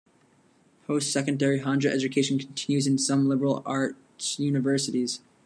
Post-secondary hanja education continues in some liberal-arts universities.